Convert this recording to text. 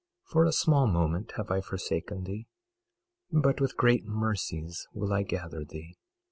22:7 For a small moment have I forsaken thee, but with great mercies will I gather thee.